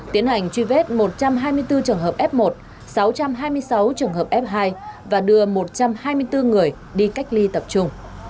tiến hành truy vết một trăm hai mươi bốn trường hợp f một sáu trăm hai mươi sáu trường hợp f hai và đưa một trăm hai mươi bốn người đi cách ly tập trung